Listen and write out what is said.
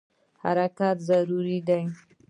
حرکت ضروري دی.